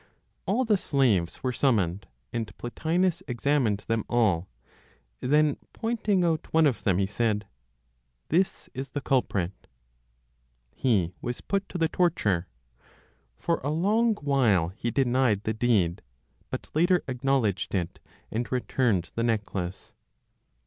All the slaves were summoned, and Plotinos examined them all. Then, pointing out one of them, he said, "This is the culprit." He was put to the torture. For a long while, he denied the deed; but later acknowledged it, and returned the necklace.